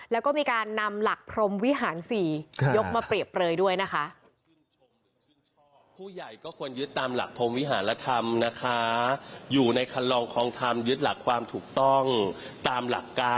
แล้วก็มีการนำหลักพรมวิหาร๔ยกมาเปรียบเปลยด้วยนะคะ